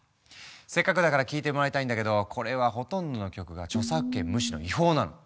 せっかくだから聴いてもらいたいんだけどこれはほとんどの曲が著作権無視の違法なの。